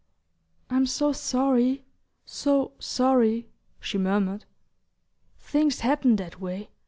"I'm so sorry ... so sorry..." she murmured. "Things happen that way.